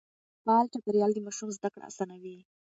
فعال چاپېريال د ماشوم زده کړه آسانوي.